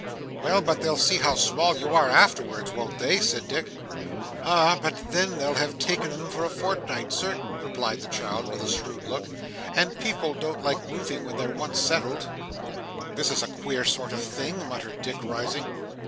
'Well, but they'll see how small you are afterwards, won't they?' said Dick. 'Ah! But then they'll have taken 'em for a fortnight certain,' replied the child with a shrewd look; 'and people don't like moving when they're once settled.' 'This is a queer sort of thing,' muttered Dick, rising.